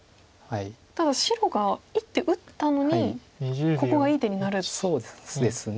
ただ白が一手打ったのにここがいい手になるんですね。